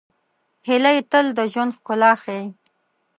هیلۍ تل د ژوند ښکلا ښيي